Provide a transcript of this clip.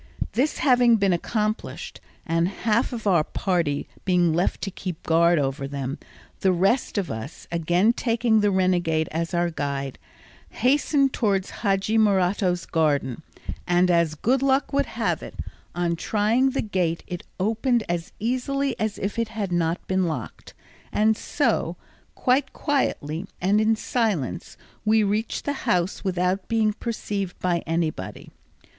This having been accomplished, and half of our party being left to keep guard over them, the rest of us, again taking the renegade as our guide, hastened towards Hadji Morato's garden, and as good luck would have it, on trying the gate it opened as easily as if it had not been locked; and so, quite quietly and in silence, we reached the house without being perceived by anybody.